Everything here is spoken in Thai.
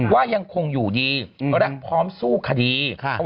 ว่ายังคงอยู่ดีและพร้อมสู้คดี